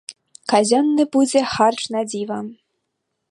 Казённы будзе харч надзіва.